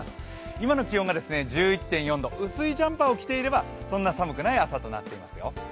今の気温が１１．４度、薄いジャンバーを着ていればそんな寒くない朝となっていますよ。